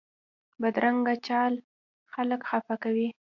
بدرنګه چال خلک خفه کوي